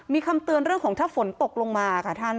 มีคำเตือนเรื่องของถ้าฝนตกลงมาค่ะท่าน